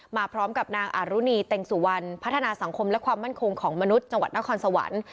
มาพร้อมกับนางอารุณีเต็งสุวรรณพัฒนาสังคมและความมั่นคงของมนุษย์จังหวัดนครสวรรค์